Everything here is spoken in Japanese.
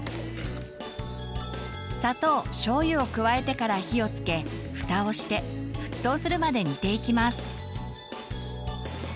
砂糖しょうゆを加えてから火をつけフタをして沸騰するまで煮ていきます。